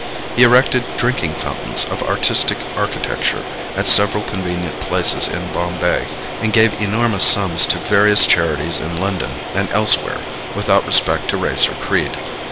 He erected drinking fountains of artistic architecture at several convenient places in Bombay, and gave enormous sums to various charities in London and elsewhere without respect to race or creed.